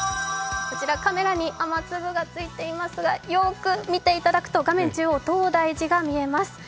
こちら、カメラに雨粒がついていますがよく見ていただくと画面中央、東大寺が見えます。